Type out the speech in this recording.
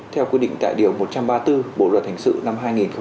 theo quy định tại điều một trăm ba mươi bốn bộ luật thành sự năm hai nghìn một mươi năm